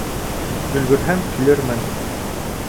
Өлгөрһәм, килермен.